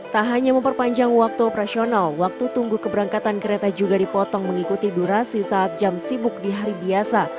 tak hanya memperpanjang waktu operasional waktu tunggu keberangkatan kereta juga dipotong mengikuti durasi saat jam sibuk di hari biasa